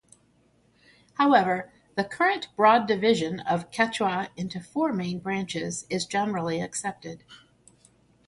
However, the current broad division of Quechua into four main branches is generally accepted.